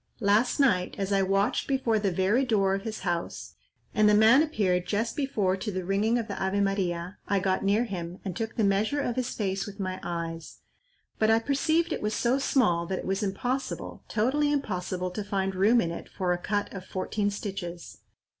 "Last night, as I watched before the very door of his house, and the man appeared just before to the ringing of the Ave Maria, I got near him, and took the measure of his face with my eyes; but I perceived it was so small that it was impossible, totally impossible, to find room in it for a cut of fourteen stitches.